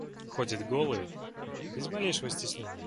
Ходит голой без малейшего стеснения.